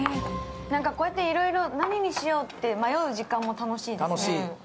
こうやっていろいろ何にしようって迷う時間も楽しいですね。